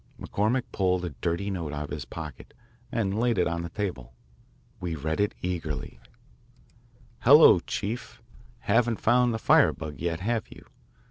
McCormick pulled a dirty note out of his pocket and laid it on the table. We read it eagerly: Hello, Chief! Haven't found the firebug yet, have you?